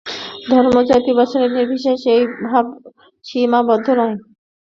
ধর্ম জাতি বা শ্রেণী-বিশেষে এই ভাব সীমাবদ্ধ নয়।